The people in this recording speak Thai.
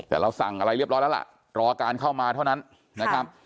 แต่เราสั่งอะไรเรียบร้อยแล้วล่ะรอการเข้ามาเท่านั้นนะครับ